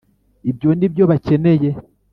ibyo nibyo bakeneye